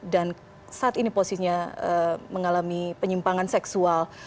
dan saat ini posisinya mengalami penyimpangan seksual